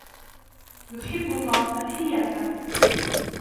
يحب توم الحياكة.